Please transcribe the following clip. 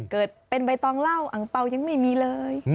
เกิดเป็นใบตองเหล้าอังเปล่ายังไม่มีเลย